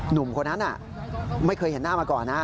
หนุ่มคนนั้นไม่เคยเห็นหน้ามาก่อนนะ